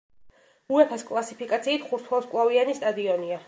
უეფას კლასიფიკაციით ხუთვარსკვლავიანი სტადიონია.